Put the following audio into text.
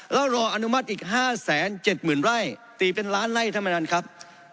แล้วรออนุมัติอีกห้าแสนเจ็ดหมื่นไร่ตีเป็นล้านไร่ท่านมนตร์ครับ